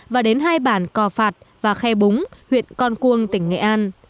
và đến hai bản cò phạt và khe búng huyện con cuông tỉnh nghệ an